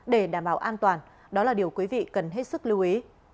điều đó là điều quý vị cần hết sức lưu ý